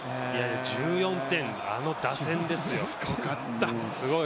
１４点、あの打線ですよすごい。